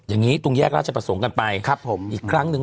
อย่างนี้ตรงแยกราชประสงค์กันไปครับผมอีกครั้งหนึ่ง